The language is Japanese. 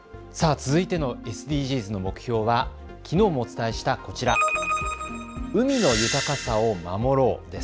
続いてのＳＤＧｓの目標はきのうもお伝えしたこちら、海の豊さを守ろうです。